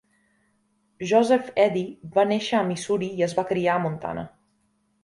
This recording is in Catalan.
Joseph Edy va néixer a Missouri i es va criar a Montana.